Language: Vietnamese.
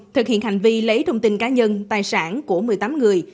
thực hiện hành vi lấy thông tin cá nhân tài sản của một mươi tám người